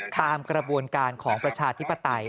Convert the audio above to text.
ตามกระบวนการของประชาธิปไตย